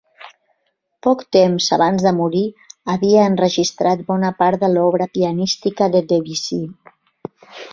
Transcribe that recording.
Poc temps abans de morir havia enregistrat bona part de l'obra pianística de Debussy.